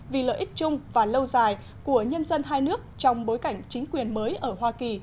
vì lợi ích chung và lâu dài của nhân dân hai nước trong bối cảnh chính quyền mới ở hoa kỳ